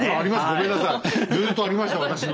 ごめんなさいずっとありました私の。